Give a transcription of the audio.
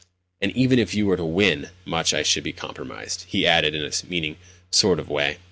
"And even if you were to win much I should be compromised," he added in a meaning sort of way.